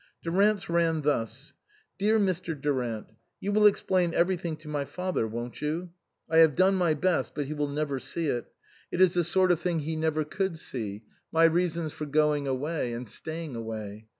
Du rant's ran thus :" DEAR MB. DURANT, " You will explain everything to my father, won't you ? I have done my best, but he will never see it ; it is the sort of thing he T.S.Q. 129 K THE COSMOPOLITAN never could see my reasons for going away and staying away.